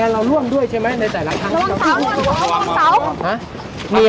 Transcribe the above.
แล้วเราฆ่ากี่ศพแล้วเนี่ย